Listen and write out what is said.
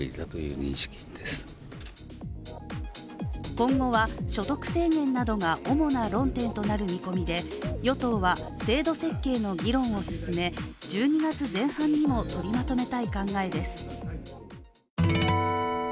今後は所得制限などが主な論点となる見込みで与党は制度設計の議論を進め１２月前半にも取りまとめたい考えです。